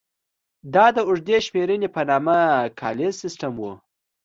دا د اوږدې شمېرنې په نامه کالیز سیستم و.